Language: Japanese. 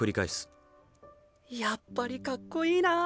やっぱりかっこいいな！